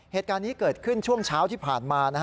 เหตุการณ์นี้เกิดขึ้นช่วงเช้าที่ผ่านมา